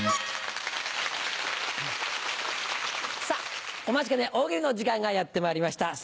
さぁお待ちかね大喜利の時間がやってまいりました。